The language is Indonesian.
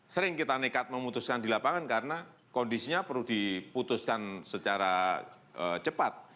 sering kita nekat memutuskan di lapangan karena kondisinya perlu diputuskan secara cepat